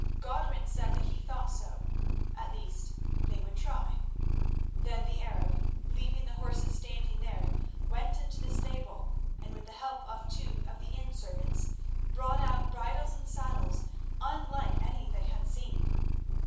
Godwin said that he thought so—at least, they would try. Then the Arab, leaving the horses standing there, went into the stable, and with the help of two of the inn servants, brought out bridles and saddles unlike any they had seen.